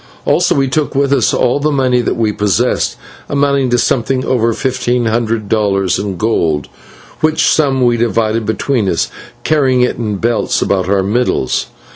Also we took with us all the money that we possessed, amounting to something over fifteen hundred dollars in gold, which sum we divided between us, carrying it in belts about our middles.